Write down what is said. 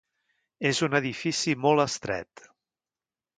És un edifici molt estret.